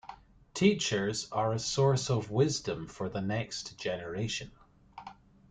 Teachers are a source of wisdom for the next generation.